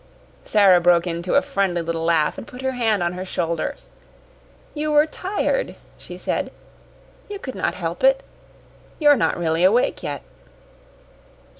Sara broke into a friendly little laugh, and put her hand on her shoulder. "You were tired," she said; "you could not help it. You are not really awake yet."